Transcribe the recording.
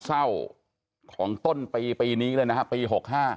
เศร้าของต้นปีปีนี้เลยนะครับปีหกห้า